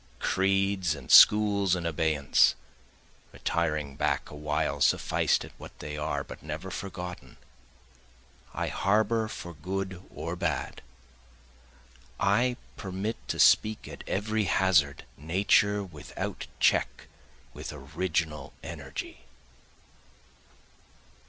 Creeds and schools in abeyance, Retiring back a while sufficed at what they are, but never forgotten, I harbor for good or bad, I permit to speak at every hazard, Nature without check with original energy.